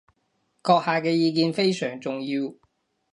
閣下嘅意見非常重要